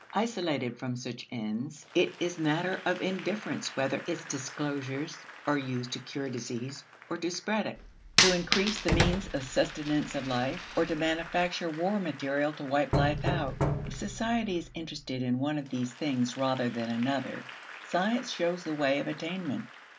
Isolated from such ends, it is matter of indifference whether its disclosures are used to cure disease or to spread it; to increase the means of sustenance of life or to manufacture war material to wipe life out. If society is interested in one of these things rather than another, science shows the way of attainment.